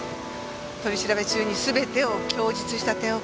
取り調べ中に全てを供述した点を考慮し。